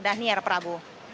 dan ini ya r prabu